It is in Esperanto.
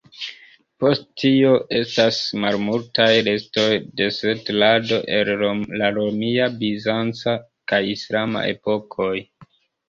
Post tio estas malmultaj restoj de setlado el la romia, bizanca kaj islama epokoj.